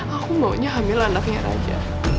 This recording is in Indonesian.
aku maunya hamil anaknya raja